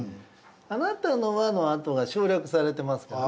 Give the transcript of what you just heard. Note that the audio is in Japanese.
「あなたのは」のあとが省略されてますからね。